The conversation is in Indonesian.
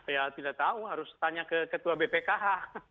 ya tidak tahu harus tanya ke ketua bpkh